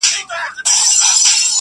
اوس هيڅ خبري مه كوی يارانو ليـونيانـو,